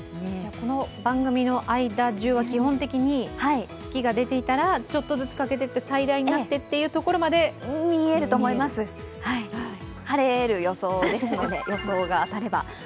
この番組の間中は基本的に月が出ていたらちょっとずつ欠けていって最大になってというところまで見えると思います、晴れる予想ですので、予想が当たれば。